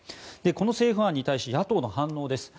この政府案に対し野党の反応です。